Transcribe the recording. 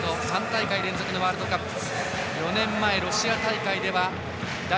３大会連続のワールドカップ。